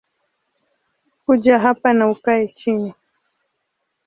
Kuja hapa na ukae chini